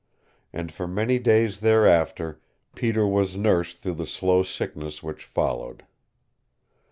And for many days thereafter Peter was nursed through the slow sickness which followed.